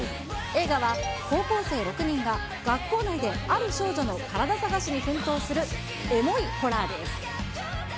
映画は、高校生６人が学校内である少女のカラダ探しに奮闘するエモいホラーです。